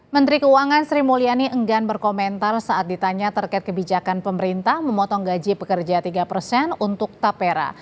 menteri keuangan sri mulyani enggan berkomentar saat ditanya terkait kebijakan pemerintah memotong gaji pekerja tiga persen untuk tapera